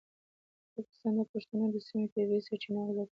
پاکستان د پښتنو د سیمې طبیعي سرچینې غصب کوي.